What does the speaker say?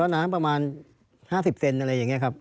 น้ำประมาณ๕๐เซนอะไรอย่างนี้ครับ